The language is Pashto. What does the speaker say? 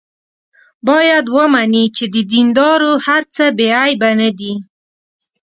باید ومني چې د دیندارو هر څه بې عیبه نه دي.